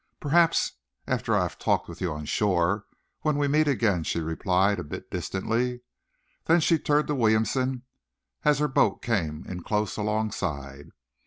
"Perhaps, after I have talked with you on shore when we meet again," she replied, a bit distantly. Then she turned to Williamson as her boat came in close alongside.